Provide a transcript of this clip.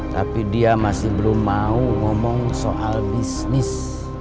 tapi dia masih belum mau ngomong soal bisnis